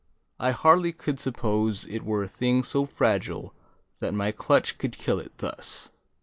I hardly could suppose It were a thing so fragile that my clutch Could kill it, thus.